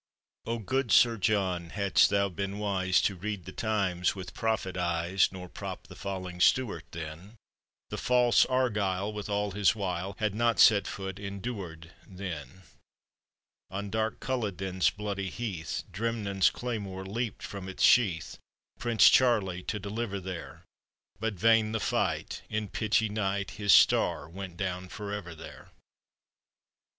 O good Sir John, hadst thou been wise To read the times with prophet eves, Nor propped the falling Stuart then, The false Argyle, with all his wile, Had not set foot in Duard then ! On dark Culloden's bloody heath Drirnnin's claymore leaped from its sheath. Prince Charlie to deliver there! But vain the fight; in pitchy night His star went down forever there!